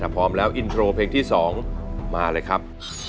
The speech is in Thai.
พร้อมแล้วอินโทรเพลงที่๒มาเลยครับ